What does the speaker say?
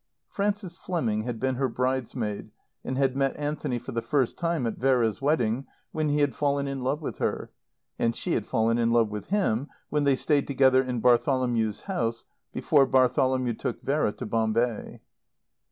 Frances Fleming had been her bridesmaid and had met Anthony for the first time at Vera's wedding, when he had fallen in love with her; and she had fallen in love with him when they stayed together in Bartholomew's house, before Bartholomew took Vera to Bombay.